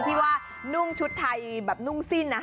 ที่ว่านุ่งชุดไทยแบบนุ่งสิ้น